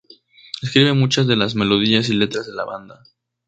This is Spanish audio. Escribe muchas de las melodías y letras de la banda.